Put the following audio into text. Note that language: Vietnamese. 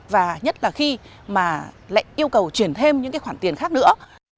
và nhất là khi mà lại yêu cầu chuyển thêm những cái khoản tiền khác nữa